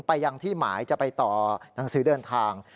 ไปยังที่หมายจะไปต่อหนังสือเดินทาง